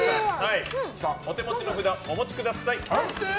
お手持ちの札をお持ちください。